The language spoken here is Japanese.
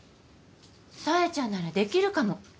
紗英ちゃんならできるかも。